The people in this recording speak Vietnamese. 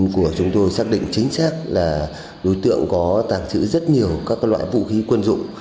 của chúng tôi xác định chính xác là đối tượng có tàng trữ rất nhiều các loại vũ khí quân dụng